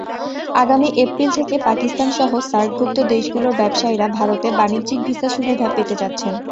আগামী এপ্রিল থেকে পাকিস্তানসহ সার্কভুক্ত দেশগুলোর ব্যবসায়ীরা ভারতে বাণিজ্যিক ভিসা-সুবিধা পেতে যাচ্ছেন।